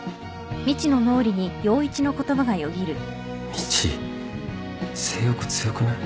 みち性欲強くない？